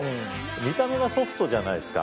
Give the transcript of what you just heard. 見た目がソフトじゃないっすか。